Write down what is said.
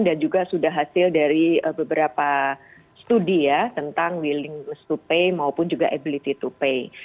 dan juga sudah hasil dari beberapa studi ya tentang willingness to pay maupun juga ability to pay